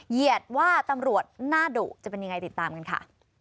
เหยียดว่าตำรวจหน้าดุจะเป็นยังไงติดตามกันค่ะ